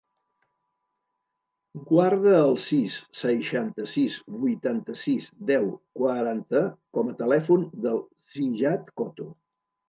Guarda el sis, seixanta-sis, vuitanta-sis, deu, quaranta com a telèfon del Ziyad Coto.